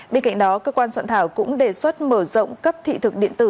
bên cạnh đó cơ quan soạn thảo cũng đề xuất mở rộng cấp thị thực điện tử